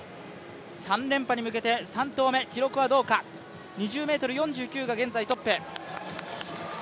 ３連覇に向けて３投目、記録はどうか２０ｍ４９が現在トップ。